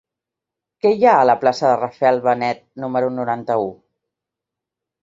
Què hi ha a la plaça de Rafael Benet número noranta-u?